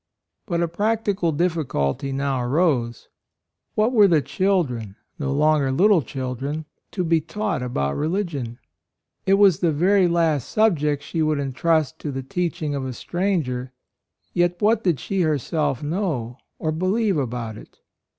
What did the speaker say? But a practical difficulty now arose. What were the children, no longer little children, to be taught about religion? It was the very last subject she would entrust to the teaching of a stranger ; yet what did she her self know or believe about it?